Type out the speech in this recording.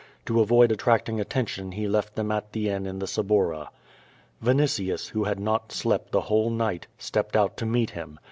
To avoid attracting attention he left them at the inn in the Suburra. Vinitius, who had not slept the whole night, stepped out to meet him.